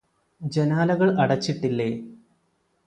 ജനാലകൾ അടച്ചിട്ടില്ലേ